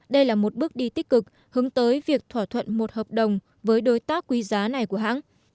đây là một bước đi tích cực hướng tới việc thỏa thuận một hợp đồng với đối tác quý giá này của hãng